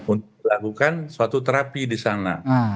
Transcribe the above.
untuk melakukan suatu terapi di sana